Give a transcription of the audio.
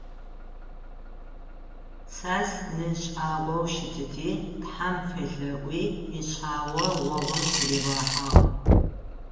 Сас ны шӏагъоу щытыти, тхьэм фелъэӏуи ишъао гъогум тыригъэхьагъ.